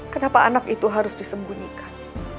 kenapa anak itu harus disembunyikan